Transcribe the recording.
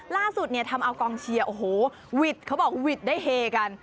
ล่าสุดเนี่ยทำเอากองเชียร์โอ้โหหวิดเขาบอกวิทย์ได้เฮกัน